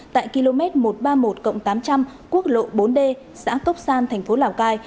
tại km một trăm ba mươi một tám trăm linh quốc lộ bốn d xã cốc san thành phố lào cai